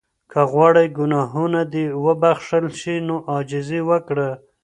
که غواړې ګناهونه دې وبخښل شي نو عاجزي وکړه.